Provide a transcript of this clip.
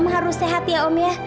harus sehat ya om ya